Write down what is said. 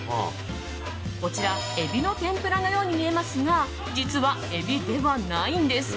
こちらエビの天ぷらのように見えますが実は、エビではないんです。